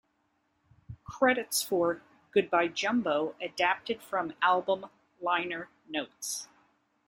Credits for "Goodbye Jumbo" adapted from album liner notes.